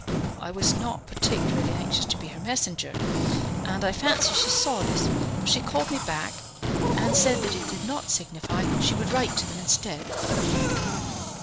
I was not particularly anxious to be her messenger, and I fancy she saw this, for she called me back and said that it did not signify, she would write to them instead."